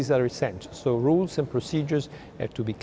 vì vậy các thông tin và kế hoạch